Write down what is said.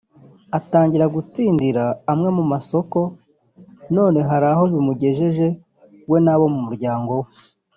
atangira gutsindira amwe mu masoko none hari aho bimugejeje we n’abo mu muryango we